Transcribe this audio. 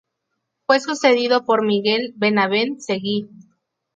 Fue sucedido por Miguel Benavent Seguí.